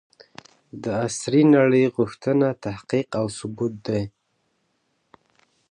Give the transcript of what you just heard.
د عصري نړۍ غوښتنه تحقيق او ثبوت دی.